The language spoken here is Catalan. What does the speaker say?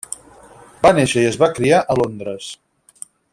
Va néixer i es va criar a Londres.